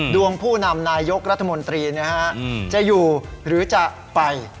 ผู้นำนายกรัฐมนตรีจะอยู่หรือจะไป